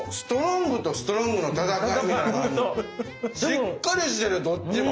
しっかりしてるどっちも。